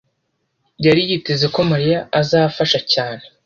yari yiteze ko Mariya azafasha cyane.